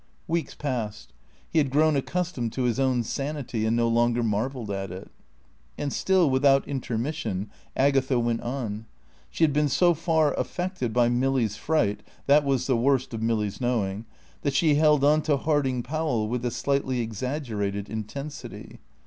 Weeks passed. He had grown accustomed to his own sanity and no longer marvelled at it. And still without intermission Agatha went on. She had been so far affected by Milly's fright (that was the worst of Milly's knowing) that she held on to Harding Powell with a slightly exaggerated intensity.